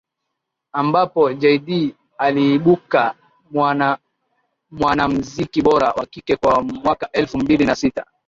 ambapo Jay dee aliibuka Mwanamziki Bora wa Kike kwa mwaka elfu mbili na sita